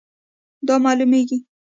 دا معلومیږي